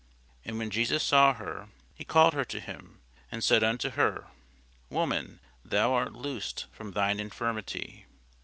And when Jesus saw her, he called her to him, and said unto her, Woman, thou art loosed from thine infirmity.